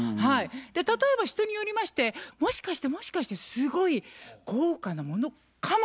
例えば人によりましてもしかしてもしかしてすごい豪華なものかもしれないということで。